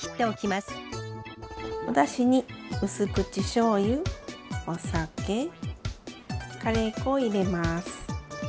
おだしにうす口しょうゆ・お酒カレー粉を入れます。